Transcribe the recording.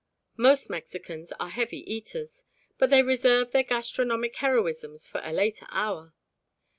Most Mexicans are heavy eaters, but they reserve their gastronomic heroisms for a later hour.